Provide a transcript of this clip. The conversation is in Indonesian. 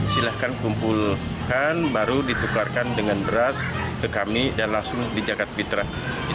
silahkan kumpulkan baru ditukarkan dengan beras ke kami dan langsung dijagat fitrah